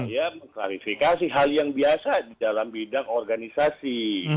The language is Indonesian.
ya mengklarifikasi hal yang biasa di dalam bidang organisasi